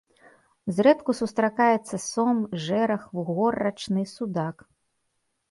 Зрэдку сустракаецца сом, жэрах, вугор рачны, судак.